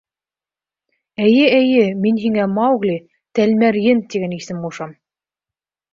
Эйе, эйе, мин һиңә Маугли — Тәлмәрйен тигән исем ҡушам...